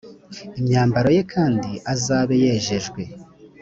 imyambaro ye kandi azabe yejejwe